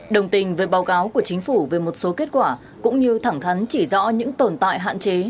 đồng tình với báo cáo của chính phủ về một số kết quả cũng như thẳng thắn chỉ rõ những tồn tại hạn chế